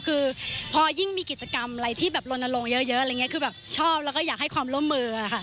คือพอยิ่งมีกิจกรรมอะไรที่โลนลงเยอะคือชอบแล้วก็อยากให้ความร่วมมือค่ะ